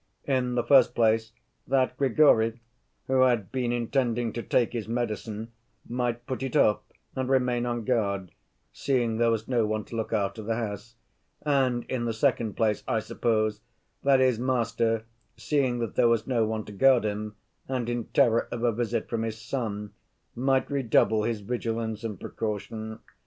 In the first place that Grigory, who had been intending to take his medicine, might put it off and remain on guard, seeing there was no one to look after the house, and, in the second place, I suppose, that his master seeing that there was no one to guard him, and in terror of a visit from his son, might redouble his vigilance and precaution.